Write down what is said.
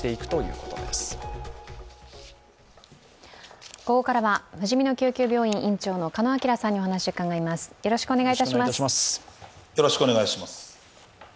ここからはふじみの救急病院院長の鹿野晃さんにお話を伺います。